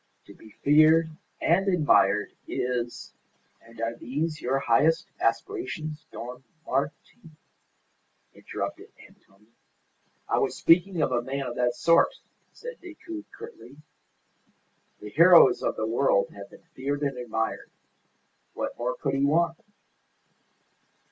To be feared and admired is " "And are these your highest aspirations, Don Martin?" interrupted Antonia. "I was speaking of a man of that sort," said Decoud, curtly. "The heroes of the world have been feared and admired. What more could he want?"